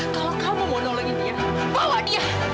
kalau kamu mau nolongin dia bawa dia